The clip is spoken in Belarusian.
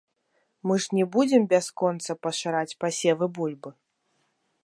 Мы ж не будзем бясконца пашыраць пасевы бульбы.